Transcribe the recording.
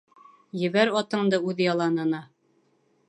Ебәр атыңды үҙ яланына.